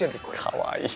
かわいい。